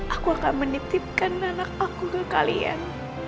aku akan menitipkan anak aku ke kalian